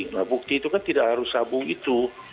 nah bukti itu kan tidak harus sabung itu